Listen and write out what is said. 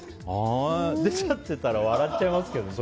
出ちゃってたら笑っちゃいますけどね。